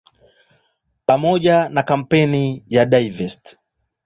Pamoja na kampeni ya "Divest!